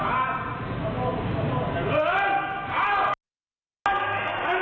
อะไร